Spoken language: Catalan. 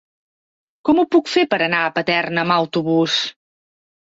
Com ho puc fer per anar a Paterna amb autobús?